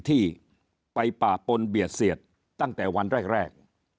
ที่ไปป่าปนเบียดเสียดตั้งแต่วันแรก